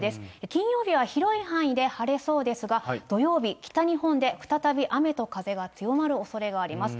金曜日は広い範囲で晴れそうですが、土曜日、北日本で再び雨と風が強まるおそれがあります。